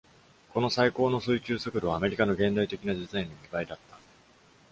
この最高の水中速度は、アメリカの現代的なデザインの二倍だった。